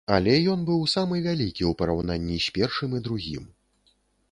Але ён быў самы вялікі ў параўнанні з першым і другім.